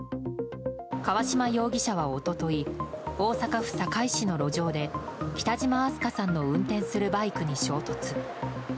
川島容疑者は一昨日大阪府堺市の路上で北島明日翔さんの運転するバイクに衝突。